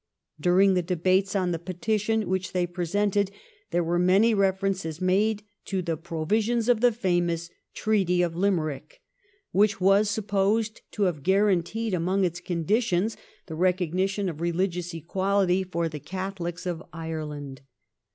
During the debates on the petition which they presented there were many references made to the provisions of the famous Treaty of Limerick, which was supposed to have guaranteed among its conditions the recognition of religious equality for the Catholics of Ireland.